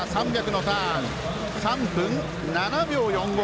３００のターン３分７秒４５。